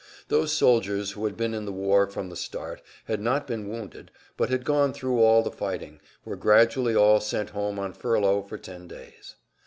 Those soldiers who had been in the war from the[Pg 180] start who had not been wounded, but had gone through all the fighting, were gradually all sent home on furlough for ten days.